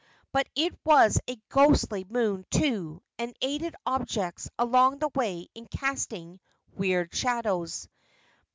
But it was a ghostly moon, too, and aided objects along the way in casting weird shadows.